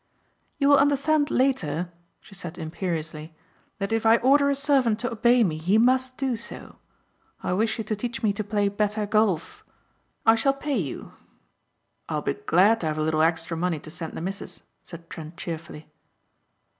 "You will understand later," she said imperiously, "that if I order a servant to obey me he must do so. I wish you to teach me to play better golf. I shall pay you." "I'll be glad to have a little extra money to send the mis'sus," said Trent cheerfully.